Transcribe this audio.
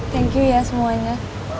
thank you ya semuanya